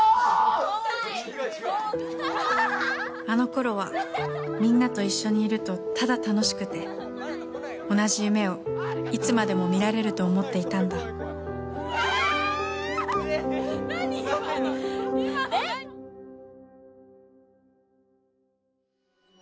あの頃はみんなと一緒にいるとただ楽しくて同じ夢をいつまでも見られると思っていたんだ・キャ！